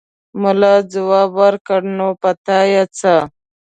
ملا ځواب ورکړ: نو په تا يې څه!